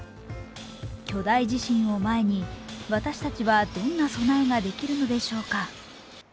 巨大地震を前に、私たちはどんな備えができるのでしょうか。